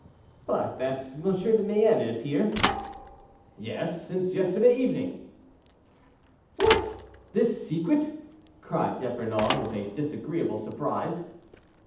"But that M. de Mayenne was here?" "Yes, since yesterday evening." "What! this secret?" cried D'Epernon, with a disagreeable surprise.